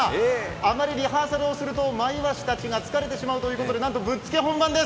あまりリハーサルをすると、マイワシたちが疲れてしまうということで、なんとぶっつけ本番です。